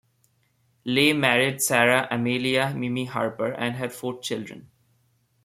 Lay married Sarah Amelia "Mimi" Harper and had four children.